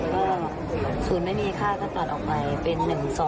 ๒๕๑๐ก็๐ไม่มีค่าก็ตัดออกไปเป็น๑๒๕